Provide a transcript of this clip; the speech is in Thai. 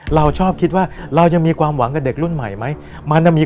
เราชอบคิดว่าเรายังมีความหวังกับเด็กรุ่นใหม่ไหม